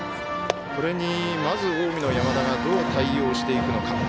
これに、まず近江の山田がどう対応していくのか。